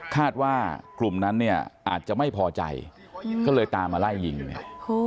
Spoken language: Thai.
คาดว่ากลุ่มนั้นเนี่ยอาจจะไม่พอใจก็เลยตามมาไล่ยิงเนี่ย